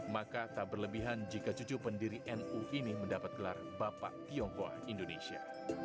maka tak berlebihan jika cucu pendiri nu ini mendapat gelar bapak tionghoa indonesia